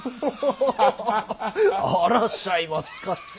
あらしゃいますかって。